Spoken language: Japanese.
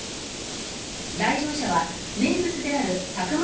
来場者は、名物である１００万